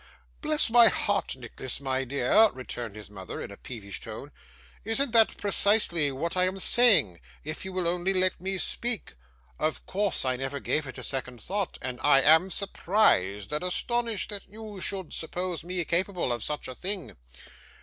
'Bless my heart, Nicholas my dear,' returned his mother in a peevish tone, 'isn't that precisely what I am saying, if you would only let me speak? Of course, I never gave it a second thought, and I am surprised and astonished that you should suppose me capable of such a thing.